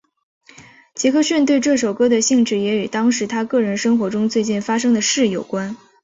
杰克逊对这首歌的兴趣也与当时他个人生活中最近发生的事有关。